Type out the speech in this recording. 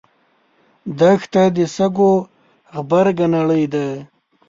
دښته د شګو غبرګه نړۍ ده.